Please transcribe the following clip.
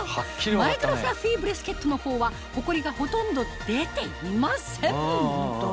マイクロフラッフィーブレスケットの方はほこりがほとんど出ていません